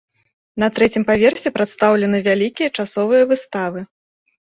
На трэцім паверсе прадстаўлены вялікія часовыя выставы.